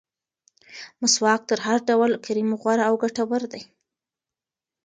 مسواک تر هر ډول کریمو غوره او ګټور دی.